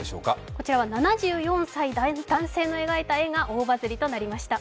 こちらは７４歳男性の描いた絵が大バズリとなりました。